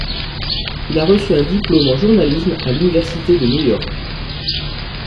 Il a reçu un diplôme en journalisme à l'université de New York.